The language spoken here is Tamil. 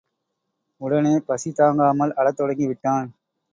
உடனே பசி தாங்காமல் அழத் தொடங்கி விட்டான்.